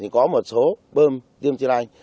có một số bơm tiêm tri lạnh